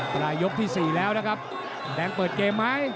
ปลายยกที่๔แล้วนะครับแดงเปิดเกมไหม